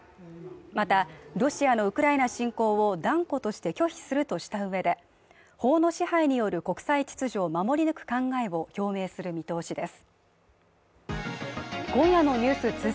また、ロシアのウクライナ侵攻を断固として拒否するとしたうえで法の支配による国際秩序を守り抜く考えを表明する見通しです。